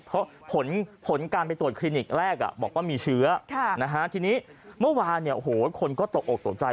เพราะผลการไปตรวจคลินิกแรกบอกว่ามีเชื้อทีนี้เมื่อวานเนี่ยโอ้โหคนก็ตกออกตกใจ